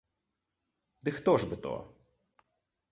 Ды хто ж бы то?